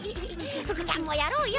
フクちゃんもやろうよ。